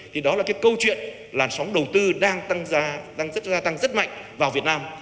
thì đó là cái câu chuyện làn sóng đầu tư đang tăng ra đang rất gia tăng rất mạnh vào việt nam